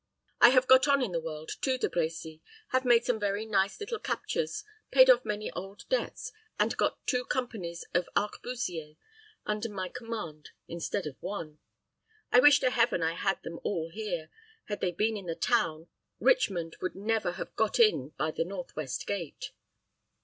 I have got on in the world, too, De Brecy, have made some very nice little captures, paid off many old debts, and got two companies of arquebusiers under my command instead of one. I wish to Heaven I had them all here. Had they been in the town, Richmond would never have got in by the northwest gate."